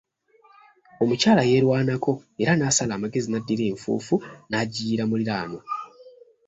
Omukyala yeerwanako era naasala amagezi naddira enfuufu naagiyiira muliraanwa.